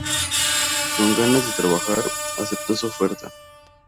Con ganas de trabajar, aceptó su oferta.